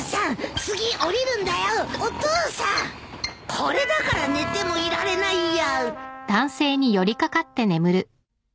これだから寝てもいられないや！